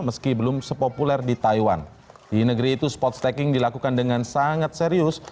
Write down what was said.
meski belum sepopuler di taiwan di negeri itu sports stacking dilakukan dengan sangat serius